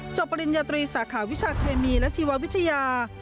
ปริญญาตรีสาขาวิชาเคมีและชีววิทยา